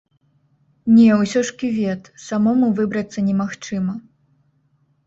Не, усё ж кювет, самому выбрацца немагчыма.